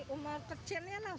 umur kecilnya suka bakso